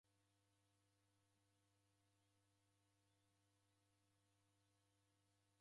Serikali eko na msigo ghodumikia kula muisanga.